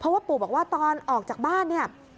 เพราะว่าปู่บอกว่าตอนออกจากบ้านเนี่ย